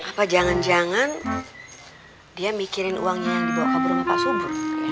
apa jangan jangan dia mikirin uangnya yang dibawa kabur sama pak subuh